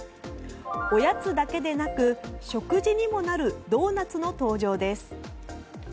おやつだけでなく食事にもなるドーナツの登場です。